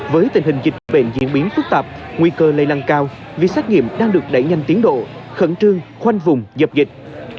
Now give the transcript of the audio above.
với tình hình dịch bệnh diễn biến phức tạp nguy cơ lây lan cao việc xét nghiệm đang được đẩy nhanh tiến độ khẩn trương khoanh vùng dập dịch